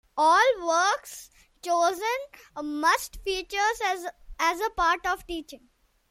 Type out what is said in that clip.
All works chosen must feature as part of teaching.